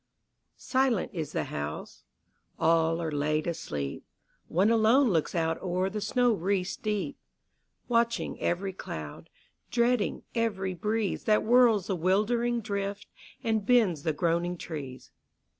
Silent is the house: all are laid asleep: One alone looks out o'er the snow wreaths deep, Watching every cloud, dreading every breeze That whirls the wildering drift, and bends the groaning trees.